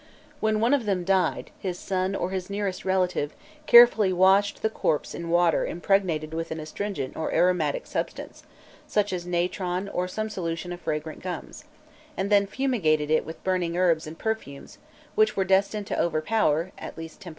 When one of them died, his son, or his nearest relative, carefully washed the corpse in water impregnated with an astringent or aromatic substance, such as natron or some solution of fragrant gums, and then fumigated it with burning herbs and perfumes which were destined to overpower, at least temporarily, the odour of death.